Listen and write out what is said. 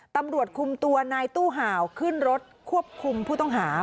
ตำรวจคุมตัวนายตู้ห่าวขึ้นรถควบคุมผู้ต้องหา